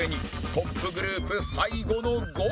トップグループ最後の５位